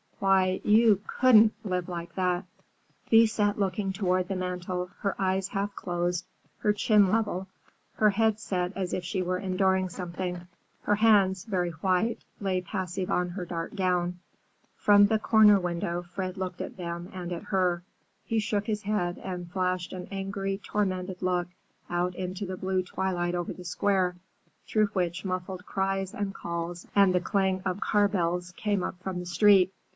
Why, you couldn't live like that." Thea sat looking toward the mantel, her eyes half closed, her chin level, her head set as if she were enduring something. Her hands, very white, lay passive on her dark gown. From the window corner Fred looked at them and at her. He shook his head and flashed an angry, tormented look out into the blue twilight over the Square, through which muffled cries and calls and the clang of car bells came up from the street.